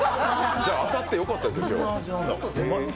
じゃ、当たってよかったです、今日。